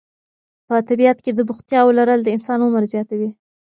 په طبیعت کې د بوختیاوو لرل د انسان عمر زیاتوي.